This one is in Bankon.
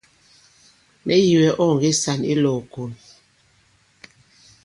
Mɛ̀ yi wɛ ɔ̂ ɔ̀ nge sàn i lɔ̄w ìkon.